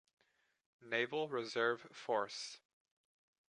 Naval Reserve Force.